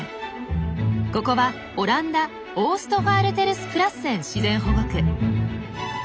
ここはオランダオーストファールテルスプラッセン自然保護区。